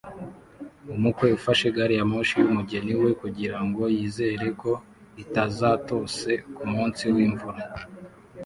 Umukwe ufashe gari ya moshi y'umugeni we kugirango yizere ko itazatose kumunsi wimvura